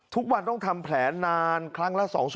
ทุกวันต้องทำแผลนานครั้งละ๒ชั่วโมงกว่า